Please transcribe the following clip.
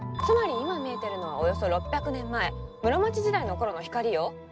つまり今見えてるのはおよそ６００年前室町時代の頃の光よ。